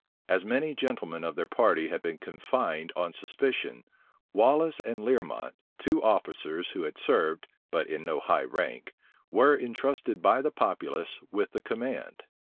As many gentlemen of their party had been confined on suspicion, Wallace and Learmont, two officers who had served, but in no high rank, were intrusted by the populace with the command.